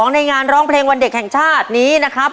ในงานร้องเพลงวันเด็กแห่งชาตินี้นะครับ